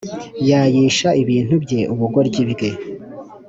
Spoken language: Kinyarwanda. Yayisha ibintu bye ubugoryi bwe